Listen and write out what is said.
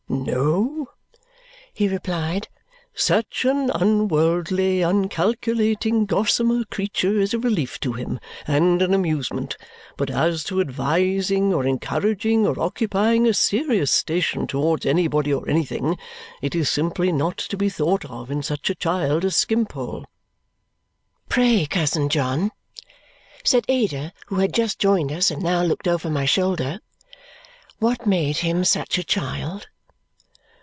"No," he replied. "Such an unworldly, uncalculating, gossamer creature is a relief to him and an amusement. But as to advising or encouraging or occupying a serious station towards anybody or anything, it is simply not to be thought of in such a child as Skimpole." "Pray, cousin John," said Ada, who had just joined us and now looked over my shoulder, "what made him such a child?"